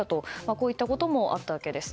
こういったこともあったわけです。